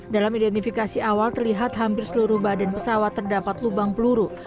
dalam identifikasi awal terlihat hampir seluruh badan pesawat terdapat lubang peluru